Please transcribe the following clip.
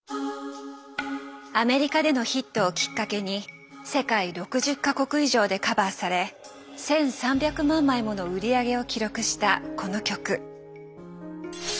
アメリカでのヒットをきっかけに世界６０か国以上でカバーされ１，３００万枚もの売り上げを記録したこの曲。